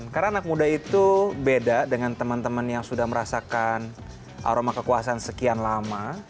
karena anak muda itu beda dengan teman teman yang sudah merasakan aroma kekuasaan sekian lama